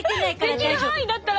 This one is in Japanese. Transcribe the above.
できる範囲だったら。